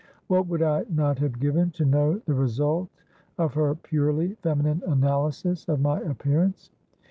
What would I not have given to know the result of her purely feminine analysis of my appearance!